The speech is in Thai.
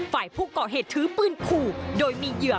ฝ่ายผู้ก่อเหตุถือปืนขู่โดยมีเหยื่อ